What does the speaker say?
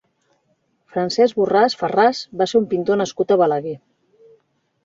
Francesc Borràs Farràs va ser un pintor nascut a Balaguer.